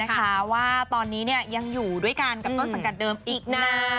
ก็ยังอยู่อีกกี่ปีค่ะ